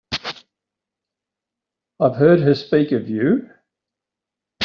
I've heard her speak of you.